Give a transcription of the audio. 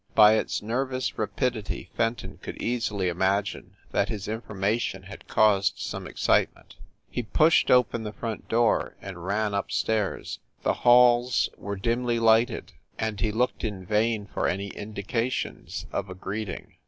By its nervous rapidity Fenton could easily imagine that his information had caused some ex citement. He pushed open the front door and ran up stairs. The halls were dimly lighted, and he looked in vain for any indications of a greeting.